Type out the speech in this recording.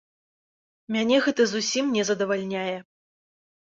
Мяне гэта зусім не задавальняе.